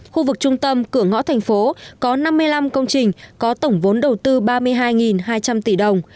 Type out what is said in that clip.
khu vực trung tâm cửa ngõ thành phố có năm mươi năm công trình có tổng vốn đầu tư ba mươi hai hai trăm linh tỷ đồng